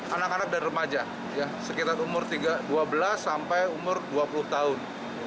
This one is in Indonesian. anak anak dan remaja sekitar umur dua belas sampai umur dua puluh tahun